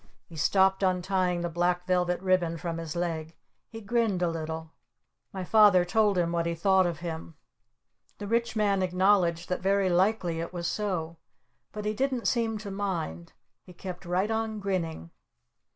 He stopped untying the black velvet ribbon from his leg. He grinned a little. My Father told him what he thought of him. The Rich Man acknowledged that very likely it was so. But he didn't seem to mind. He kept right on grinning.